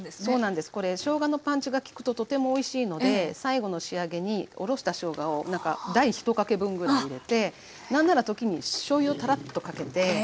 そうなんですこれしょうがのパンチが効くととてもおいしいので最後の仕上げにおろしたしょうがを大１かけ分ぐらい入れて何なら時にしょうゆをたらっとかけて。